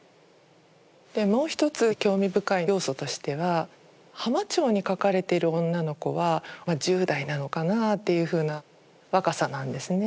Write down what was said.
もう一つ興味深い要素としては「浜町」に描かれている女の子は１０代なのかなというふうな若さなんですね。